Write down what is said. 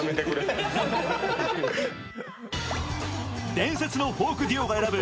伝説のフォークデュオが選ぶ